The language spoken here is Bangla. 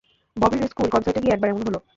ববির স্কুল কনসার্টে গিয়ে একবার এমন হল।